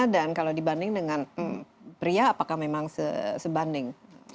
dan kalau dibanding dengan pria apakah memang sebanding